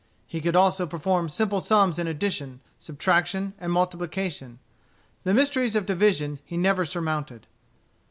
He could also perform simple sums in addition, subtraction, and multiplication. The mysteries of division he never surmounted.